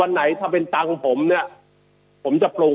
ไหนถ้าเป็นตังค์ผมเนี่ยผมจะปรุง